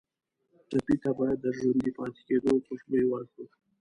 ټپي ته باید د ژوندي پاتې کېدو خوشبويي ورکړو.